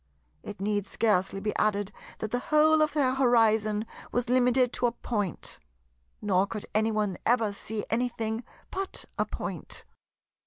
It need scarcely be added that the whole of their horizon was limited to a Point; nor could any one ever see anything but a Point.